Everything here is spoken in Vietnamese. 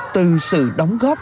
từ sự đóng góp